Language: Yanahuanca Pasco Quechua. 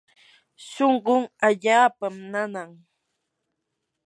shunqun allaapam nanan.